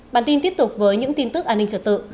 bản tin tiếp tục với những tin tức an ninh trật tự